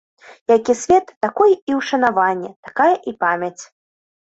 Які свет, такое і ўшанаванне, такая і памяць.